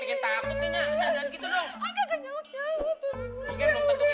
bikin lu tentu kaya gitu juga